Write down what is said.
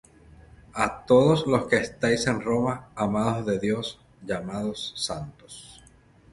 A todos los que estáis en Roma, amados de Dios, llamados santos: